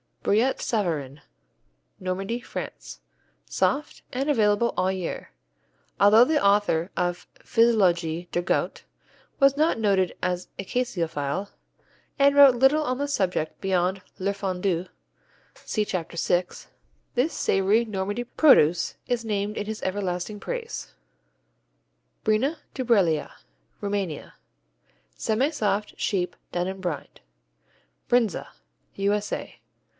Brillat Savarin Normandy, France Soft, and available all year. Although the author of Physiologie du Goût was not noted as a caseophile and wrote little on the subject beyond Le Fondue (see Chapter 6), this savory Normandy produce is named in his everlasting praise. Brina Dubreala Rumania Semisoft, sheep, done in brine. Brindza _U.S.A.